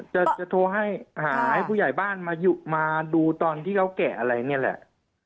จะโทรให้หาให้ผู้ใหญ่บ้านมาดูตอนที่เขาแกะอะไรนี่แหละ